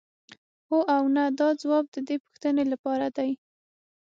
هو او نه دا ځواب د دې پوښتنې لپاره دی.